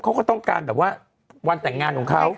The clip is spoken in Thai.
เขาก็ต้องการแบบว่าวันแต่งงานของเขา